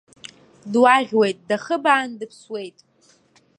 Дуаӷьуеит, дахыбаан дыԥсуеит.